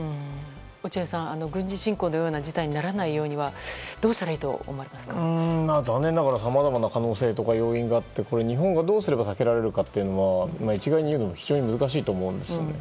落合さん、軍事侵攻のような事態にならないようには残念ながらさまざまな可能性や要因があって日本がどうすれば避けられるかは一概に言うのは非常に難しいと思うんですよね。